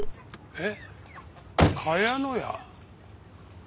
えっ？